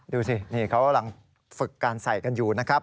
ดูสิเขารังฝึกการใส่กันอยู่นะครับ